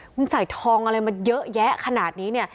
คุณใส่ทองอะไรมาเยอะแยะขนาดนี้เนี่ย